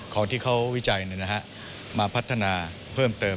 ของที่เขาวิจัยมาพัฒนาเพิ่มเติม